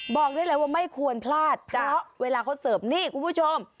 บอกได้เลยว่าไม่ควรพลาดเพราะเวลาเขาเสิร์ฟนี่คุณผู้ชม